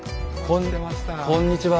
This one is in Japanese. こんにちは